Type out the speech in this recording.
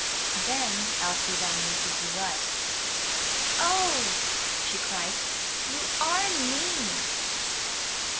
Then Elfrida knew who he was. "Oh," she cried, "you are mean!"